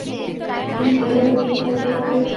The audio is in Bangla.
আমি ভয়েরও ভয়, রুদ্রেরও রুদ্র।